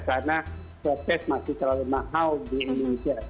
karena rapid test masih terlalu mahal di indonesia